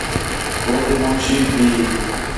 ہو تے منشیک بھی